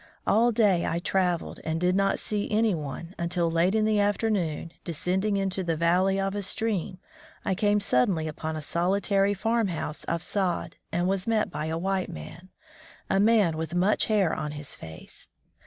All day I traveled, and did not see any one until, late in the afternoon, descending into 34 On the White MarCs Trail the valley of a stream^ I came suddenly upon a solitary farm house of sod, and was met by a white man — a man with much hair on his face.